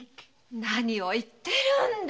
何を言ってるんだ